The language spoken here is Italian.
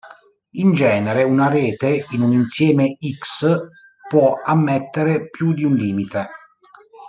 In generale, una rete in un insieme "X" può ammettere più di un limite.